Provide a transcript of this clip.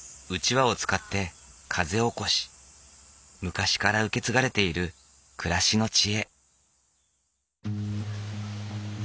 昔から受け継がれている暮らしの知恵。